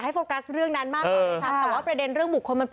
หลายคน